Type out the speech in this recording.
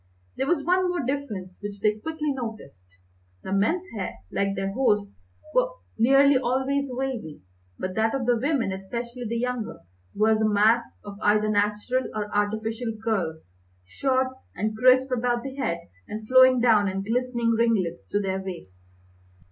There was one more difference which they quickly noticed. The men's hair, like their host's, was nearly always wavy, but that of the women, especially the younger, was a mass of either natural or artificial curls, short and crisp about the head, and flowing down in glistening ringlets to their waists.